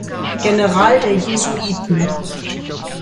General der Jesuiten.